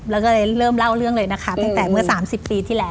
แล้วก็เลยเริ่มเล่าเรื่องเลยนะคะตั้งแต่เมื่อ๓๐ปีที่แล้ว